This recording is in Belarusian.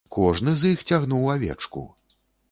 Кожны з іх цягнуў авечку.